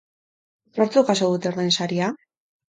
Nortzuk jaso dute ordainsaria?